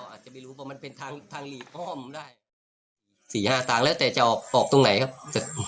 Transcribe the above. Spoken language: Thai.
อาจจะไม่รู้เพราะมันเป็นทางทางหลีกอ้อมได้สี่ห้าทางแล้วแต่จะออกออกตรงไหนครับ